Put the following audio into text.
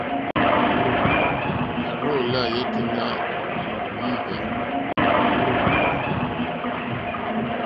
Nà rzô lá yêténá wìhwɛ̂.